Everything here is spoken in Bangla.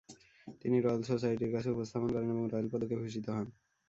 তিনি রয়েল সোসাইটির কাছে উপস্থাপন করেন এবং রয়েল পদকে ভূষিত হন।